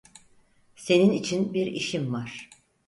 Senin için bir işim var.